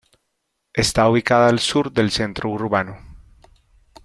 Está ubicada al sur del centro urbano.